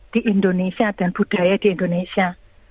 di indonesia dan budaya di indonesia